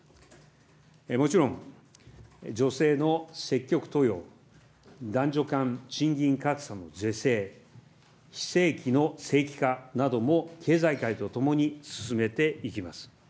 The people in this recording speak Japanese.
もちろん、女性の積極登用、男女間賃金格差の是正、非正規の正規化なども経済界と共に進めていきます。